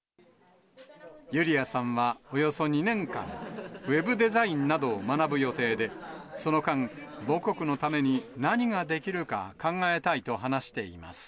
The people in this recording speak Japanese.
ユリアさんはおよそ２年間、ウェブデザインなどを学ぶ予定で、その間、母国のために何ができるか考えたいと話しています。